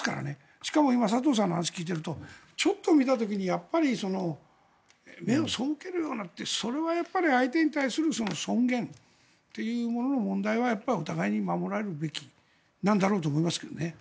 しかも今、佐藤さんのお話を聞いているとちょっと見た時に目を背けるようなってそれはやっぱり相手に対する尊厳というものの問題はやっぱりお互いに守られるべきなんだろうと思いますけどね。